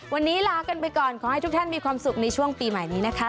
วันนี้ลากันไปก่อนขอให้ทุกท่านมีความสุขในช่วงปีใหม่นี้นะคะ